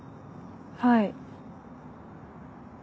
はい。